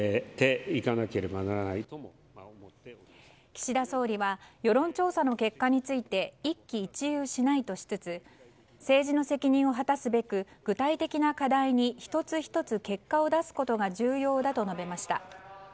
岸田総理は世論調査の結果について一喜一憂しないとしつつ政治の責任を果たすべく具体的な課題に１つ１つ結果を出すことが重要だと述べました。